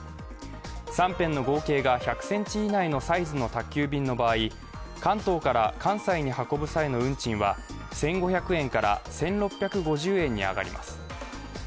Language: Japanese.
３辺の合計が１００ｃｍ以内のサイズの宅急便の場合関東から関西に運ぶ際の運賃は１５００円から１６５０円に上がります。